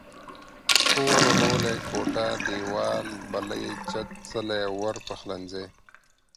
کور ، غولی، کوټه، ديوال، بلۍ، چت، څلی، ور، پخلنځي